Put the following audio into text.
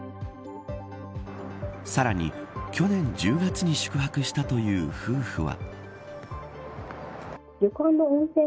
さらに、去年１０月に宿泊したという夫婦は。